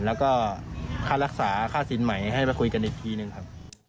แล้วก็ค่ารักษาค่าสินใหม่ให้มาคุยกันอีกทีหนึ่งครับ